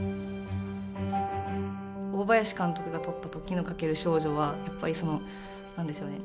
大林監督が撮った「時をかける少女」はやっぱりその何でしょうね。